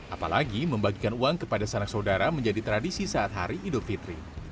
apalagi membagikan uang kepada sanak saudara menjadi tradisi saat hari idul fitri